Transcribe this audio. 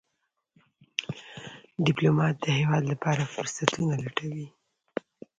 ډيپلومات د هېواد لپاره فرصتونه لټوي.